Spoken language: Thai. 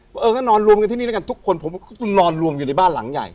เออก็นอนรวมกันที่นี่ด้วยกันทุกคนผมก็นอนรวมอยู่ในบ้านหลังใหญ่